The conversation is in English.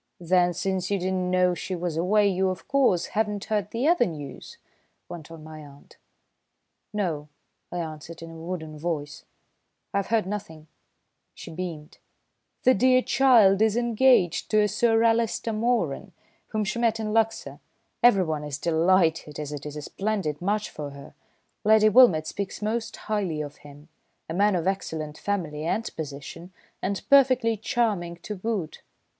"Then, since you did not know she was away, you, of course, have not heard the other news?" went on my aunt. "No," I answered in a wooden voice. "I've heard nothing." She beamed. "The dear child is engaged to a Sir Alister Moeran, whom she met in Luxor. Everyone is delighted, as it is a splendid match for her. Lady Wilmott speaks most highly of him, a man of excellent family and position, and perfectly charming to boot."